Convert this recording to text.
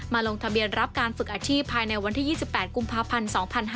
ลงทะเบียนรับการฝึกอาชีพภายในวันที่๒๘กุมภาพันธ์๒๕๕๙